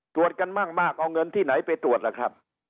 ตรวจกันมากเอาเงินที่ไหนไปตรวจล่ะครับ